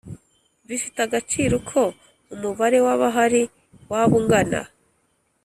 Bifite agaciro uko umubare w abahari waba ungana